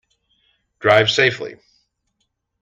Drive safely!